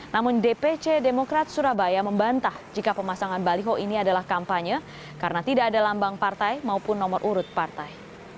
namun dpc demokrat surabaya membantah jika pemasangan baliho ini adalah kampanye karena tidak ada lambang partai maupun nomor urut partai